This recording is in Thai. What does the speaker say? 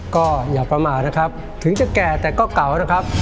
ก็อย่าประมาทนะครับถึงจะแก่แต่ก็เก่านะครับ